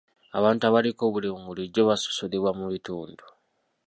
Abantu abaliko obulemu bulijjo basosolebwa mu bitundu.